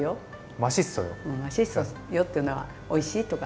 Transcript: マシッソヨっていうのは「おいしい」とか。